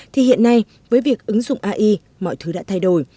thì hiện nay với việc ứng dụng ai mọi thứ đã thay đổi